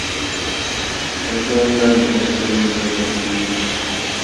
Kallpawanlaqmi kamakaqluu lulapakuyniita.